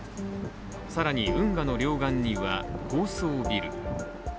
更に、運河の両岸には高層ビル。